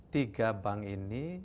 tiga bank ini